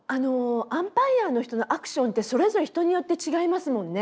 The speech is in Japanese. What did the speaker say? アンパイアの人のアクションってそれぞれ人によって違いますもんね。